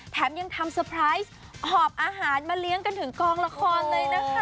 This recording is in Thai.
แถมยังทำเตอร์ไพรส์หอบอาหารมาเลี้ยงกันถึงกองละครเลยนะคะ